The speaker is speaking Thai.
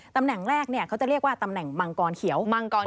ตำแหน่งแรกเขาจะเรียกว่าตำแหน่งมังกรเขียว